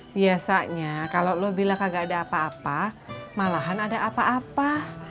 biasanya kalau lo bilang gak ada apa apa malahan ada apa apa